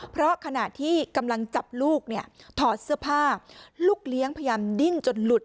เพราะขณะที่กำลังจับลูกเนี่ยถอดเสื้อผ้าลูกเลี้ยงพยายามดิ้นจนหลุด